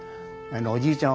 おじいちゃん